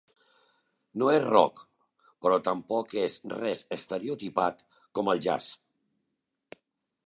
No és rock, però tampoc és res estereotipat com el jazz.